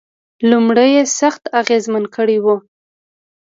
نوموړي یې سخت اغېزمن کړی و